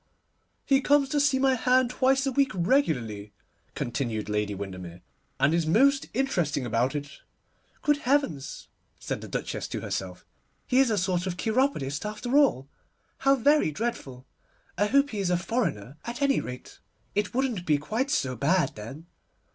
'He comes to see my hand twice a week regularly,' continued Lady Windermere, 'and is most interesting about it.' 'Good heavens!' said the Duchess to herself, 'he is a sort of cheiropodist after all. How very dreadful. I hope he is a foreigner at any rate. It wouldn't be quite so bad then.